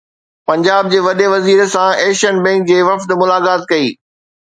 پنجاب جي وڏي وزير سان ايشين بئنڪ جي وفد ملاقات ڪئي